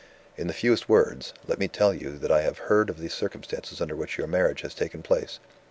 In the fewest words, let me tell you that I have heard of the circumstances under which your marriage has taken place.